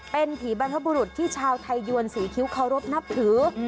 เป็นผีบรรพบุรุษที่ชาวไทยยวนศรีคิ้วเคารพนับถือ